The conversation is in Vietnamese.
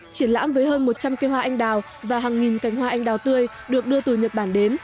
triển lãm với hơn một trăm linh cây hoa anh đào và hàng nghìn cành hoa anh đào tươi được đưa từ nhật bản đến